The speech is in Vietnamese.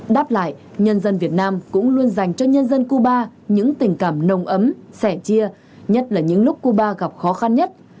đáp lại nhân dân việt nam cũng luôn dành cho nhân dân cuba những tình cảm nồng ấm sẻ chia nhất là những lúc cuba gặp khó khăn nhất